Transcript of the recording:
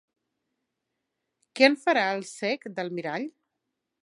Què en farà el cec del mirall?